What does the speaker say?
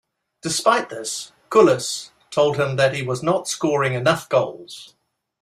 Despite this, Cullis told him that he was not scoring enough goals.